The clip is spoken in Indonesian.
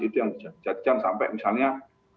itu yang dijadikan sampai misalnya